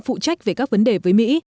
phụ trách về các vấn đề với mỹ